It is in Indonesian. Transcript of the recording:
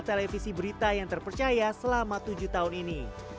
televisi berita yang terpercaya selama tujuh tahun ini